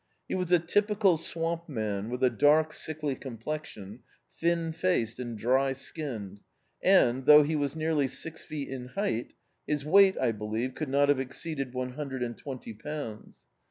He was a typical swamp man, with a dark sickly complexion, thin faced and dry skinned and, thou^ he was nearly six feet in height, his wei^t, I believe, could not have exceeded one hundred and twenty pounds.